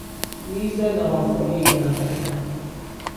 میز ناهارخوری دو نفره